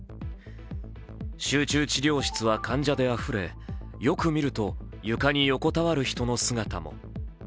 集中治療室は患者であふれよく見ると床に横たわる人の姿も。